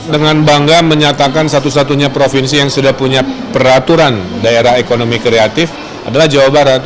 dengan bangga menyatakan satu satunya provinsi yang sudah punya peraturan daerah ekonomi kreatif adalah jawa barat